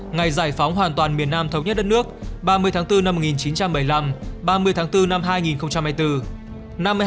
ngày giải phóng hoàn toàn miền nam thống nhất đất nước ba mươi tháng bốn năm một nghìn chín trăm bảy mươi năm ba mươi tháng bốn năm hai nghìn hai mươi bốn